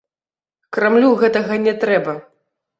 Крамлю гэтага не трэба.